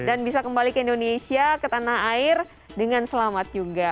dan bisa kembali ke indonesia ke tanah air dengan selamat juga